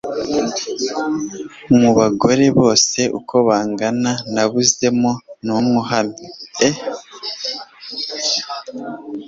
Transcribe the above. mu bagore bose uko bangana, nabuzemo n'umw uhamye.e